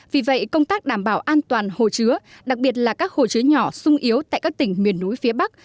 vì vậy công tác đảm bảo an toàn hồ chứa đặc biệt là các hồ chứa nhỏ sung yếu tại các tỉnh miền núi phía bắc